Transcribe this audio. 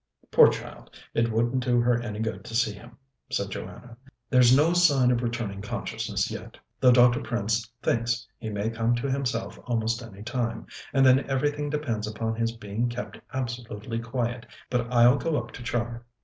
"Poor child, it wouldn't do her any good to see him," said Joanna. "There's no sign of returning consciousness yet, though Dr. Prince thinks he may come to himself almost any time, and then everything depends upon his being kept absolutely quiet. But I'll go up to Char."